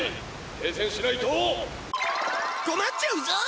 停船しないと困っちゃうぞ。